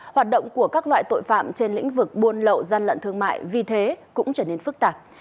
hoạt động của các loại tội phạm trên lĩnh vực buôn lậu gian lận thương mại vì thế cũng trở nên phức tạp